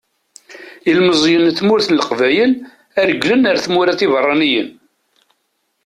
Ilmeẓyen n tmurt n leqbayel ad regglen ara tmura tibeṛṛaniyin.